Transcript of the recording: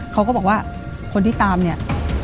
เขาก็บอกว่าคนที่ตามเนี่ย